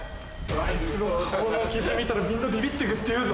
あいつの顔の傷見たらみんなビビってくっていうぞ。